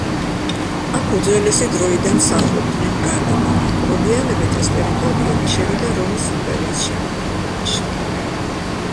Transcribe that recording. აქ უძველესი დროიდან სახლობდნენ გალები მოგვიანებით ეს ტერიტორიები შევიდა რომის იმპერიის შემადგენლობაში.